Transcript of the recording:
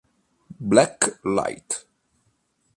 Black Light